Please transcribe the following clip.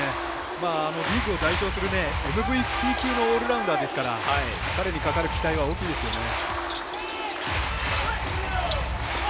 リーグを代表するＭＶＰ級のオールラウンダーですから彼にかかる期待は大きいですよね。